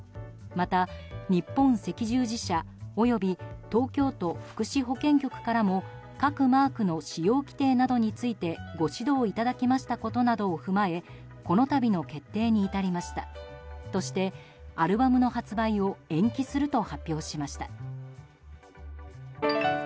また、日本赤十字社及び東京都福祉保健局からも各マークの使用規定などについてご指導いただきましたことなどを踏まえこの度の決定に至りましたとしてアルバムの発売を延期すると発表しました。